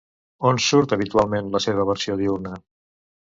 On surt habitualment la seva versió diürna?